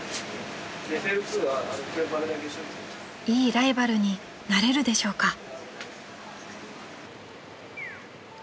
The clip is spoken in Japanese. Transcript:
［いいライバルになれるでしょうか？］